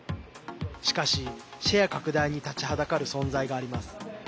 しかし、シェア拡大に立ちはだかる存在があります。